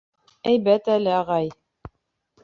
— Әйбәт әле, ағай.